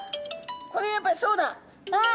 これやっぱりそうだ！あっ！